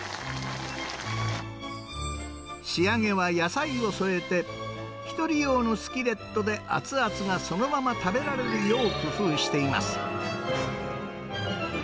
仕上げは野菜を添えて、１人用のスキレットで熱々がそのまま食べられるよう工夫しています。